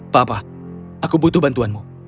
papa aku butuh bantuanmu